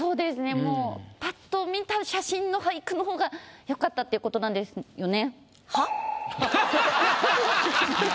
もうパッと見た写真の俳句の方が良かったっていう事なんですよね？